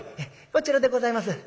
「こちらでございます」。